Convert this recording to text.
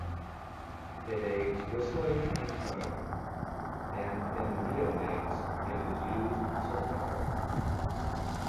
It aids whistling and smiling, and in neonates it is used to suckle.